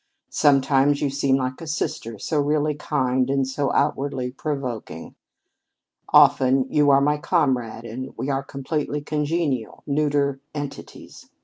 Sometimes you seem like a sister, so really kind and so outwardly provoking. Often you are my comrade, and we are completely congenial, neuter entities.